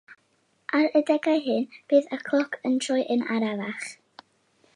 Ar yr adegau hyn, bydd y cloc yn troi'n arafach.